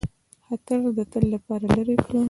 خطر د تل لپاره لیري کړ.